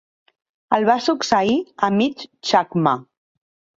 El va succeir Amit Chakma.